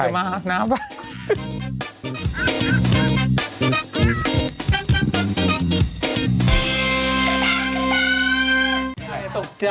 อ่ะมาน้ำไป